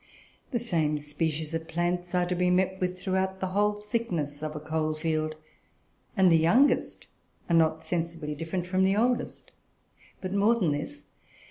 The same species of plants are to be met with throughout the whole thickness of a coal field, and the youngest are not sensibly different from the oldest. But more than this.